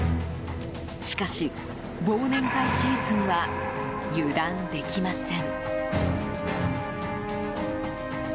しかし、忘年会シーズンは油断できません。